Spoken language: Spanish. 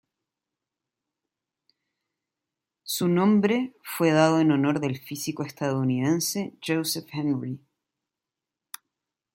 Su nombre fue dado en honor del físico estadounidense Joseph Henry.